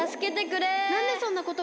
なんでそんなことに？